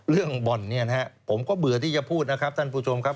บ่อนเนี่ยนะฮะผมก็เบื่อที่จะพูดนะครับท่านผู้ชมครับ